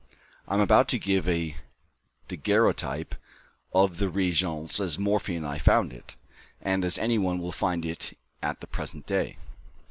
I am about to give a daguerreotype of the Régence as Morphy and I found it, and as any one will find it at the present day.